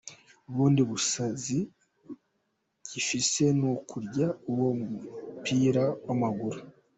Ubundi busazi gifise n'ukurya uwo mupira w'amaguru.